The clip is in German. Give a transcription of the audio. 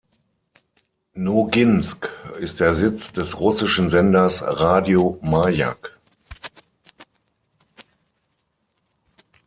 Noginsk ist der Sitz des russischen Senders "Radio Majak".